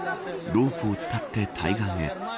ロープを伝って対岸へ。